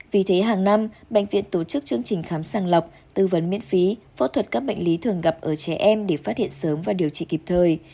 vì thế hàng năm bệnh viện tổ chức chương trình khám sàng lọc tư vấn miễn phí phẫu thuật các bệnh lý thường gặp ở trẻ em để phát hiện sớm và điều trị kịp thời